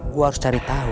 gua harus cari tau